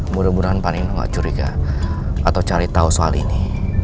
mudah mudahan pak nino tidak curiga atau cari tahu soal ini